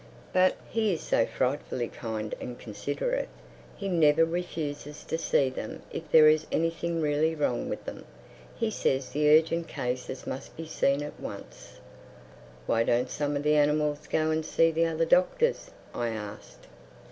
But he is so frightfully kind and considerate. He never refuses to see them if there is anything really wrong with them. He says the urgent cases must be seen at once." "Why don't some of the animals go and see the other doctors?" I asked.